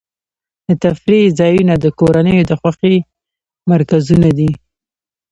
د تفریح ځایونه د کورنیو د خوښۍ مرکزونه دي.